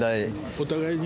お互いに。